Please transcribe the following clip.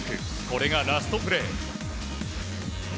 これがラストプレー。